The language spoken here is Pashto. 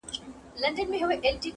o چنار دي ماته پېغور نه راکوي,